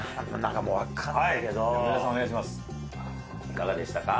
いかがでしたか？